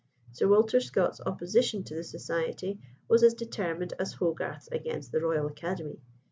Sir Walter Scott's opposition to the society was as determined as Hogarth's against the Royal Academy.